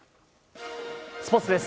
スポーツです。